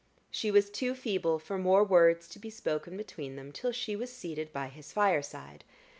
She was too feeble for more words to be spoken between them till she was seated by his fireside.